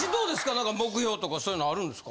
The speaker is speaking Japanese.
何か目標とかそういうのあるんですか？